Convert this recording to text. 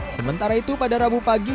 sementara itu pada rabu pagi